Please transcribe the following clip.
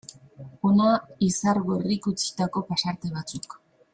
Hona Izargorrik utzitako pasarte batzuk.